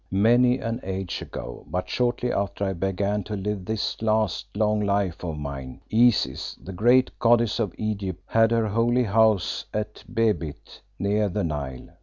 Many an age ago, but shortly after I began to live this last, long life of mine, Isis, the great goddess of Egypt, had her Holy House at Behbit, near the Nile.